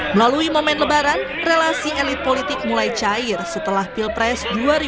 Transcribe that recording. melalui momen lebaran relasi elit politik mulai cair setelah pilpres dua ribu sembilan belas